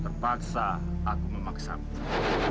terpaksa aku memaksamu